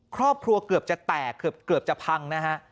ครอบครัวเกือบจะแตกเกือบจะพังนะฮะ